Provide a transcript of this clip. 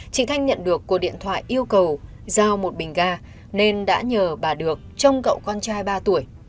chị thanh nhận được cuộc điện thoại yêu cầu giao một bình ga nên đã nhờ bà được trông cậu con trai ba tuổi